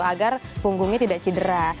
agar punggungnya tidak cedera